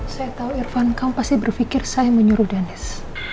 saya tahu irfan kamu pasti berpikir saya menyuruh deniz